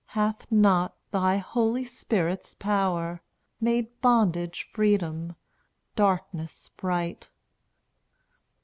Hath not thy Holy Spirit's power Made bondage freedom? darkness bright?